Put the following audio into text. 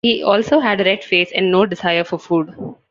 He also had a red face and no desire for food.